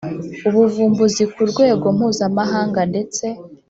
ubuvumbuzi ku rwego mpuzamahanga ndetse